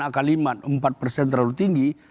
akalimat empat terlalu tinggi